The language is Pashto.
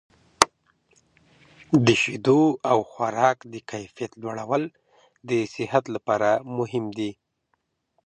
د شیدو او خوراک د کیفیت لوړول د صحت لپاره مهم دي.